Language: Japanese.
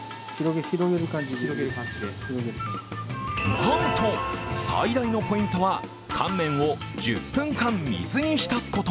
なんと、最大のポイントは乾麺を１０分間、水にひたすこと。